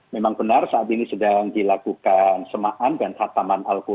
memang benar saat ini sedang dilakukan semaan dan hataman al quran